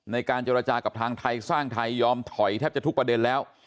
ในการเจรจากับทางไทยสร้างไทยยอมถอยแทบจะทุกประเด็นแล้ว